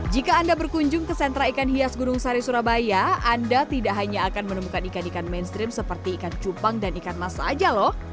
jika anda berkunjung ke sentra ikan hias gunung sari surabaya anda tidak hanya akan menemukan ikan ikan mainstream seperti ikan cupang dan ikan mas saja loh